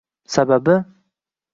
Sababi?